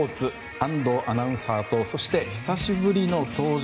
安藤アナウンサーとそして久しぶりの登場